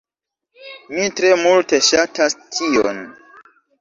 Mi tre multe ŝatas tion.